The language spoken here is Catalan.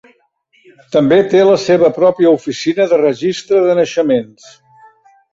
També té la seva pròpia oficina de registre de naixements.